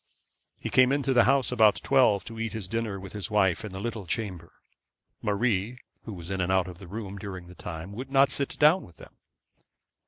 He came into the house about twelve, and eat his dinner with his wife in the little chamber. Marie, who was in and out of the room during the time, would not sit down with them.